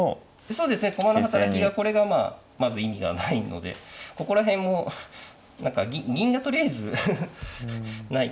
そうですね駒の働きがこれがまあまず意味がないのでここら辺も何か銀がとりあえずない。